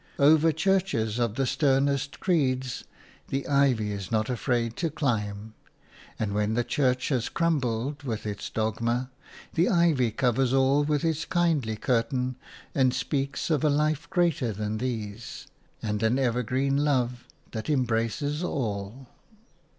Over churches of the sternest creeds the ivy is not afraid to climb; and when the church has crumbled with its dogma, the ivy covers all with its kindly curtain and speaks of a life greater than these, and an evergreen love that embraces all.